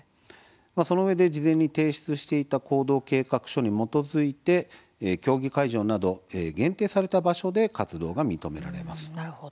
そのうえで事前に提出していた行動計画書に基づいて競技会場など限定された場所で活動が認められます。